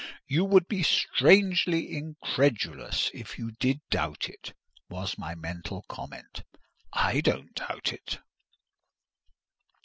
"You would be strangely incredulous if you did doubt it," was my mental comment. "I don't doubt it."